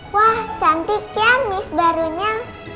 wah cantik ya miss barunya